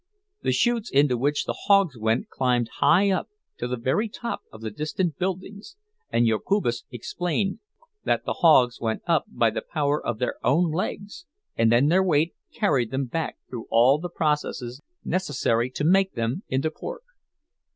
The chutes into which the hogs went climbed high up—to the very top of the distant buildings; and Jokubas explained that the hogs went up by the power of their own legs, and then their weight carried them back through all the processes necessary to make them into pork.